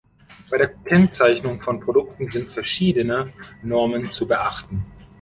Bei der Kennzeichnung von Produkten sind verschiedene Normen zu beachten.